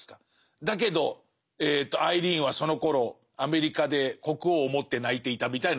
だけどアイリーンはそのころアメリカで国王を思って泣いていたみたいなのつけるじゃないですか。